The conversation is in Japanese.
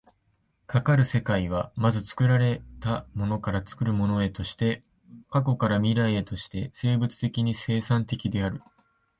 かかる世界は、まず作られたものから作るものへとして、過去から未来へとして生物的に生産的である。